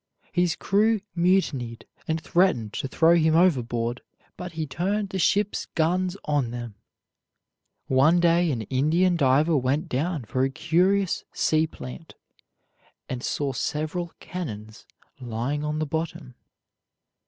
His crew mutinied and threatened to throw him overboard, but he turned the ship's guns on them. One day an Indian diver went down for a curious sea plant and saw several cannon lying on the bottom.